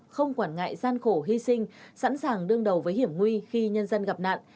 không quản ngại gian khổ hy sinh sẵn sàng đương đầu với hiểm nguy khi nhân dân gặp nạn